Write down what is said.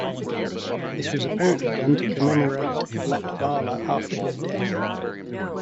This was apparently done to commemorate Latvala after his death.